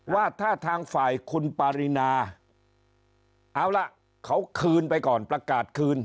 ว่าถ้าทางฝ่ายคุณปารินาเอาล่ะเขาคืนไปก่อนประกาศคืน